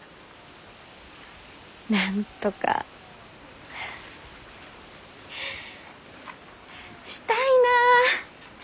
なんとかしたいなあ。